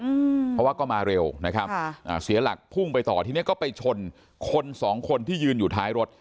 อืมเพราะว่าก็มาเร็วนะครับค่ะอ่าเสียหลักพุ่งไปต่อทีเนี้ยก็ไปชนคนสองคนที่ยืนอยู่ท้ายรถ